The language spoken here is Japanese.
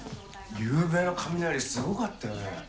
ゆうべの雷すごかったよね。